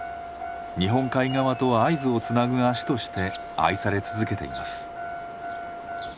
日本海側と会津をつなぐ足として愛され続けています。